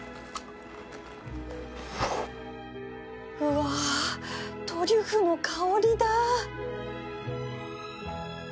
うわトリュフの香りだ